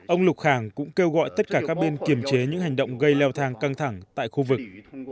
ông lục khẳng cũng kêu gọi tất cả các bên kiềm chế những hành động gây leo thang căng thẳng tại khu vực